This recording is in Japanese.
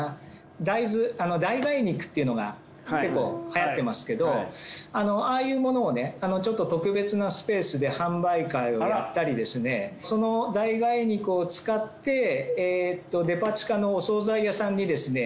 大豆代替肉っていうのが結構はやってますけどああいうものをねちょっと特別なスペースで販売会をやったりですねその代替肉を使ってデパ地下のお総菜屋さんにですね